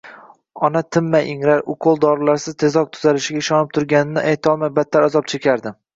Ona tinmay ingrar, ukol-dorilarsiz tezroq tuzalishiga ishonib turganini aytolmay battar azob chekardi